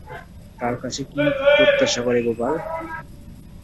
তার কাছে কী প্রত্যাশা করে গোপাল?